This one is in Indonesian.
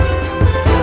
baik pak man